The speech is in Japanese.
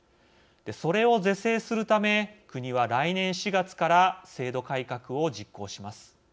それを是正するため国は来年４月から制度改革を実行します。